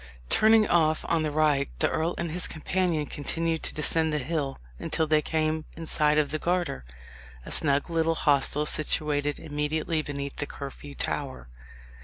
Turning off on the right, the earl and his companion continued to descend the hill until they came in sight of the Garter a snug little hostel, situated immediately beneath the Curfew Tower.